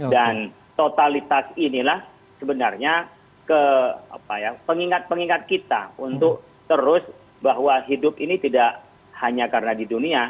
dan totalitas inilah sebenarnya ke apa ya pengingat pengingat kita untuk terus bahwa hidup ini tidak hanya karena di dunia